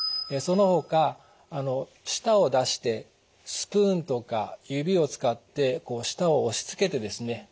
そのほか舌を出してスプーンとか指を使ってこう舌を押しつけてですね